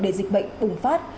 để dịch bệnh ủng phát